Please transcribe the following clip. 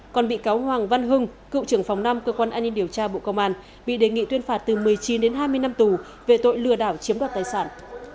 còn bị cáo hoàng văn hưng cựu trưởng phòng năm cơ quan an ninh điều tra bộ công an bị đề nghị tuyên phạt từ một mươi chín đến hai mươi năm tù về tội lừa đảo chiếm đoạt tài sản